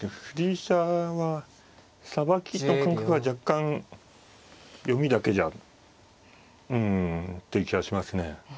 飛車はさばきの感覚が若干読みだけじゃうんっていう気がしますね。